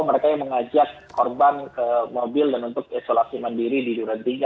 mereka yang mengajak korban ke mobil dan untuk isolasi mandiri di durantiga